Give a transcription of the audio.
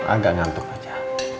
agak ngantuk aja